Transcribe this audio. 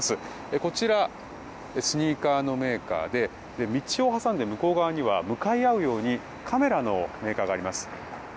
こちら、スニーカーのメーカーで道を挟んで向こう側には向かい合うようにカメラのメーカーがあります。